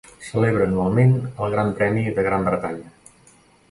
Celebra anualment el Gran Premi de Gran Bretanya.